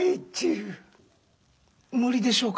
無理でしょうか。